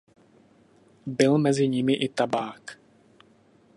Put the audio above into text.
Byl mezi nimi i tabák.